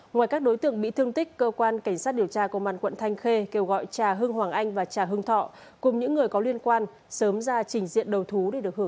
ngoài các đối tượng bị thương tích cơ quan cảnh sát điều tra công an quận thanh khê kêu gọi trà hưng hoàng anh và trà hưng thọ cùng những người có liên quan sớm ra trình diện đầu thú để được hưởng sự khoan hồng của pháp luật